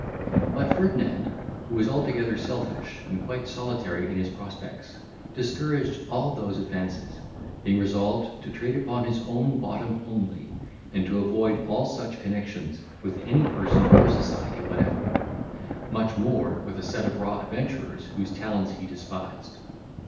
But Ferdinand, who was altogether selfish, and quite solitary in his prospects, discouraged all those advances, being resolved to trade upon his own bottom only, and to avoid all such connexions with any person or society whatever; much more, with a set of raw adventurers whose talents he despised.